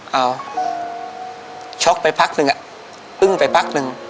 เอาช็อกไปพักนึงอึ้งไปพักหนึ่ง